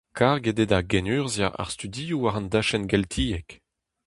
Karget eo da genurzhiañ ar studioù war an dachenn geltiek.